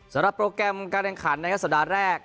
สำหรับโปรแกรมการแห่งขันในสัปดาห์แรก